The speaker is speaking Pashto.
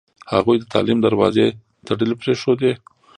هغوی د تعلیم دروازې تړلې پرېښودې.